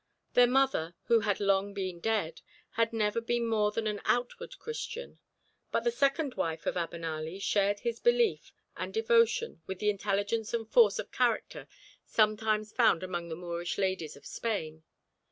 Their mother, who had long been dead, had never been more than an outward Christian; but the second wife of Abenali shared his belief and devotion with the intelligence and force of character sometimes found among the Moorish ladies of Spain.